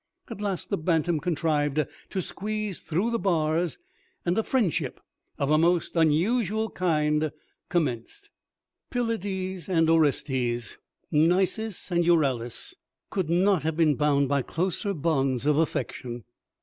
At last the bantam contrived to squeeze through the bars, and a friendship of a most unusual kind commenced. Pylades and Orestes, Nisus and Euryalus, could not have been bound by closer bonds of affection.